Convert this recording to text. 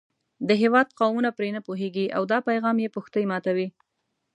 د هېواد قومونه پرې نه پوهېږي او دا پیغام یې پښتۍ ماتوي.